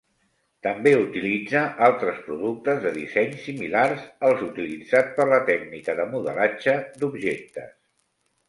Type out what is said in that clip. També utilitza altres productes de disseny similars als utilitzats per la tècnica de modelatge d'objectes.